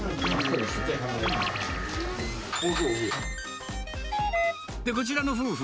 で、こちらの夫婦。